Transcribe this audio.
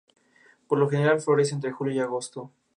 Por lo general, florece entre julio y agosto.